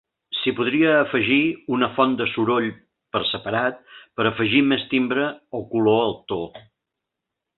S'hi podria afegir una font de soroll per separat per afegir més timbre o color al to.